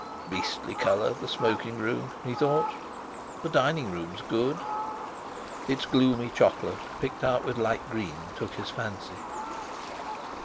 "Beastly colour, the smoking room!" he thought. "The dining room is good!" Its gloomy chocolate, picked out with light green, took his fancy.